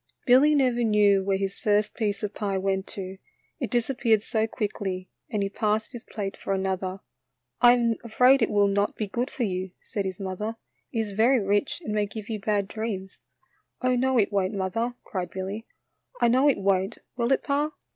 Billy never knew where his first piece of pie went to, it disappeared so quickly, and he passed his plate for another. w I am afraid it will not be good for you,' 5 said his mother. "It is very rich and may give you bad dreams." "Oh, no, it won't, mother," cried Billy; "I know it won't, will it, pa?"